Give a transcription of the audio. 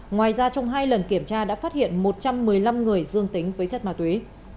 ngoài ra trong hai lần kiểm tra đã phát hiện một trăm một mươi năm người dương tính với chất ma túy